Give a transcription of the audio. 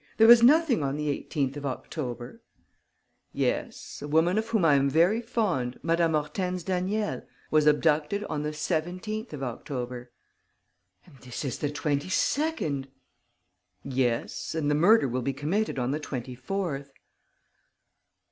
There was nothing on the 18th of October." "Yes, a woman of whom I am very fond, Madame Hortense Daniel, was abducted on the 17th of October." "And this is the 22nd!" "Yes; and the murder will be committed on the 24th."